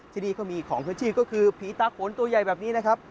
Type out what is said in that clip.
ที่นี่เขามีของพื้นที่ก็คือผีตาโขนตัวใหญ่แบบนี้นะครับ